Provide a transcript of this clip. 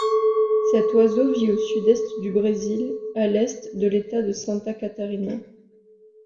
Cet oiseau vit au sud-est du Brésil, à l'est de l'État de Santa Catarina.